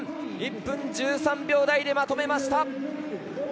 １分１３秒台でまとめました。